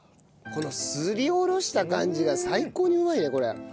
このすりおろした感じが最高にうまいねこれ。